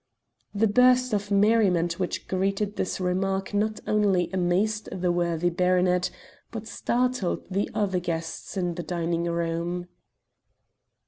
The burst of merriment which greeted this remark not only amazed the worthy baronet, but startled the other guests in the dining room.